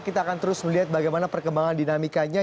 kita akan terus melihat bagaimana perkembangan dinamikanya